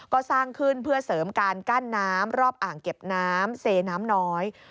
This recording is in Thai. ก็สร้างขึ้นเพื่อเสริมการกั้นน้ำรอบอ่างเก็บน้ำเซน้ำน้อย